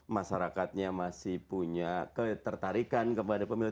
masyarakatnya masih punya ketertarikan kepada pemilu